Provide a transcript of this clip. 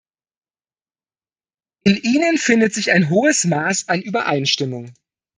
In ihnen findet sich ein hohes Maß an Übereinstimmung.